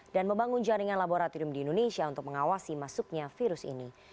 dan membangun jaringan laboratorium di indonesia untuk mengawasi masuknya virus ini